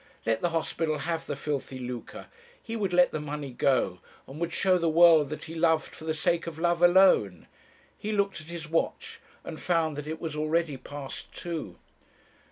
Let the hospital have the filthy lucre! He would let the money go, and would show the world that he loved for the sake of love alone! He looked at his watch, and found that it was already past two.